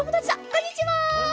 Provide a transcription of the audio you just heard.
こんにちは！